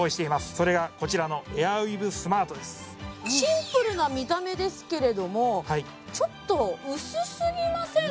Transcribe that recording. それがこちらのシンプルな見た目ですけれどもちょっと薄すぎません？